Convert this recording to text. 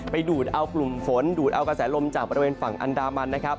ไปดูดเอากลุ่มฝนดูดเอากระแสลมจากบริเวณฝั่งอันดามันนะครับ